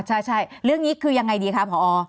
อ่าใช่เรื่องนี้คือยังไงดีครับผอ